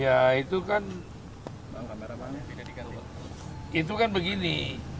ya itu kan itu kan begini